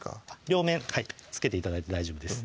両面付けて頂いて大丈夫です